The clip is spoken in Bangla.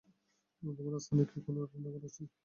তোমার আস্তানায় কি কোনো রান্নাঘর আছে?